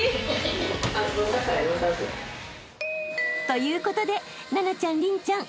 ということで奈々ちゃん麟ちゃん］